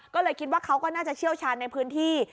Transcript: ก็เลยคิดว่าเขาก็น่าจะเชี่ยวชาญในพื้นที่